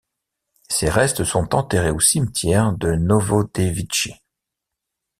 Ses restes sont enterrés au cimetière de Novodevitchi.